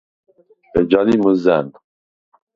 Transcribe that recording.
ეჯა ლი მჷზა̈ნ.